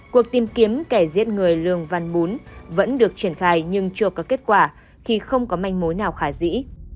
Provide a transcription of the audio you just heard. cuộc tìm kiếm kẻ giết người lương văn mún vẫn được triển khai nhưng chưa có kết quả khi không có manh mối nào khả dĩ